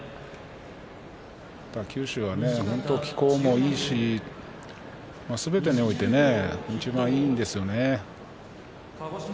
九州は気候もいいしすべてにおいていちばんいいんですよ。